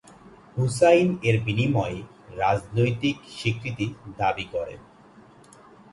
হুসাইন এর বিনিময়ে রাজনৈতিক স্বীকৃতি দাবি করেন।